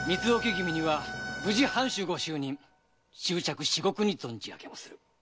君には無事藩主ご就任祝着至極に存じ上げまする。